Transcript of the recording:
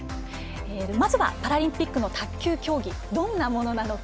まずはパラリンピックの卓球競技どんなものなのか。